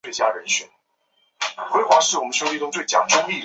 四籽野豌豆是豆科蚕豆属的植物。